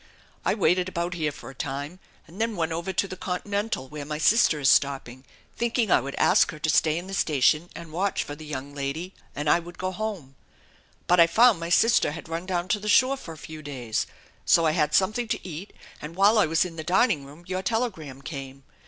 I waited about here for a time, and then went over to the Continental, where my sister is stopping, thinking I would ask her to stay in the station and watch for the young THE ENCHANTED BARN 267 lady and I would go home; but I found my sister had run down to the shore for a few days ; so I had something to eat and while I was in the dining room your telegram came.